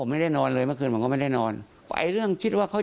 ผมไม่ได้นอนเลยเมื่อคืนผมก็ไม่ได้นอนไอ้เรื่องคิดว่าเขา